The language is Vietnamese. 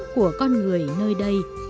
của con người nơi đây